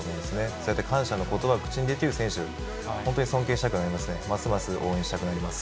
そうやって感謝のことばを口にできる選手、本当に尊敬したくなりますね、ますます応援したくなります。